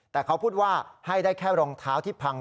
แต่เขาพูดว่าให้ได้แค่รองเท้าที่พัง